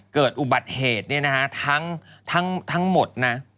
เกิดอุบัติเหตุเนี่ยนะฮะทั้งหมดนะ